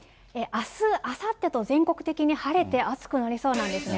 あす、あさってと、全国的に晴れて、暑くなりそうなんですね。